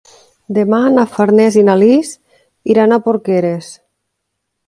Demà na Farners i na Lis iran a Porqueres.